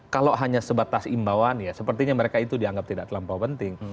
kalau hanya sebatas imbauan ya sepertinya mereka itu dianggap tidak terlampau penting